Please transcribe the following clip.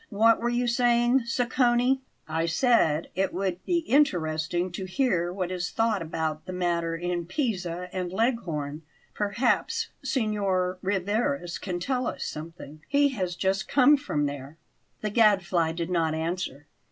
What were you saying, Sacconi?" "I said it would be interesting to hear what is thought about the matter in Pisa and Leghorn. Perhaps Signor Rivarez can tell us something; he has just come from there." The Gadfly did not answer.